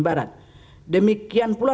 barat demikian pula